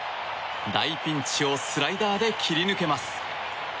大ピンチをスライダーで切り抜けます。